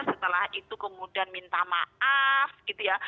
setelah itu kemudian minta maaf gitu ya